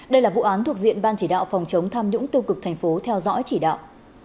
đây là vụ án thuộc diện ban chỉ đạo phòng chống tham nhũng tiêu cực thành phố theo dõi chỉ đạo